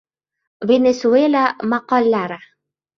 Venesuela maqollari